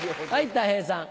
たい平さん。